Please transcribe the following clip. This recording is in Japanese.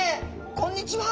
こんにちは。